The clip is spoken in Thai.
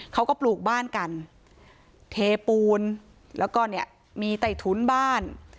เขาก็ปลูกบ้านกันเทปูนแล้วก็เนี่ยมีไต่ถุนบ้าน